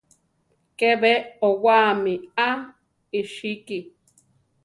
¿Ke be owáami a iʼsíki?